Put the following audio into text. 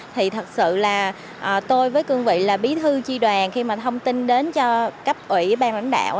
thì thật sự là tôi với cương vị là bí thư chi đoàn khi mà thông tin đến cho cấp ủy bang lãnh đạo